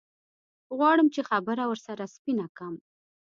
غواړم چې خبره ورسره سپينه کم.